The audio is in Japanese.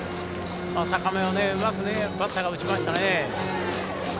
高めをうまくバッターが打ちましたね。